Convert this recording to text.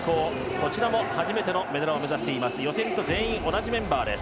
こちらも初めてのメダルを目指しています。